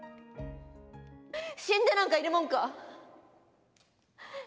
死んでなんかいるもんか。